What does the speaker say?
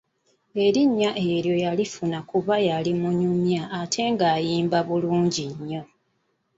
Erinnya eryo yalifuna kuba yali munyumya ate nga ayimba bulungi nnyo.